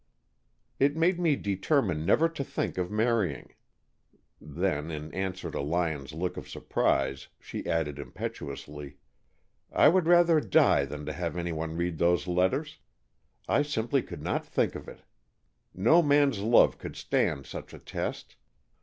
"It made me determine never to think of marrying." Then, in answer to Lyon's look of surprise, she added, impetuously, "I would rather die than have anyone read those letters. I simply could not think of it. No man's love could stand such a test.